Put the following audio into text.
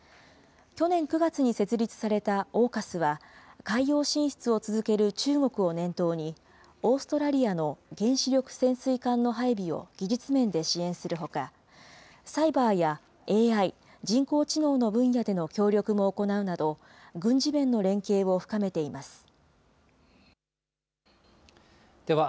去年９月に設立されたＡＵＫＵＳは、海洋進出を続ける中国を念頭に、オーストラリアの原子力潜水艦の配備を技術面で支援するほか、サイバーやＡＩ・人工知能の分野での協力も行うなど、軍事面の連携を深めています。